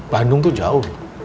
bandung tuh jauh